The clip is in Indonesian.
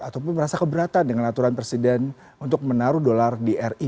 ataupun merasa keberatan dengan aturan presiden untuk menaruh dolar di ri